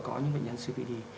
có những bệnh nhân cbd